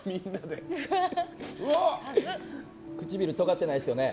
唇とがってないですよね。